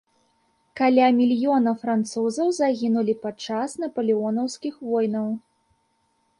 Каля мільёна французаў загінулі падчас напалеонаўскіх войнаў.